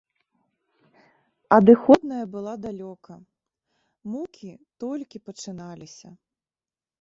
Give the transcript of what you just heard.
Адыходная была далёка, мукі толькі пачыналіся.